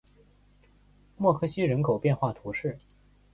默克西人口变化图示